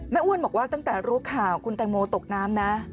อ้วนบอกว่าตั้งแต่รู้ข่าวคุณแตงโมตกน้ำนะ